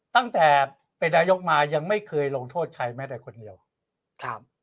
ตั้งแต่เป็นนายกมายังไม่เคยลงโทษใครแม้แต่คนเดียวครับ